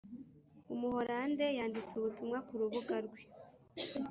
umuhorande yanditse ubutumwa ku rubuga rwe